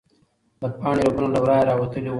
د پاڼې رګونه له ورایه راوتلي وو.